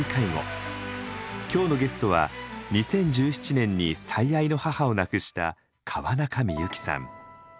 今日のゲストは２０１７年に最愛の母を亡くした川中美幸さん。